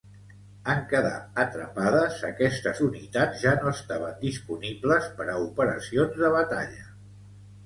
En quedar atrapades, aquestes unitats ja no estaven disponibles per a operacions de batalla.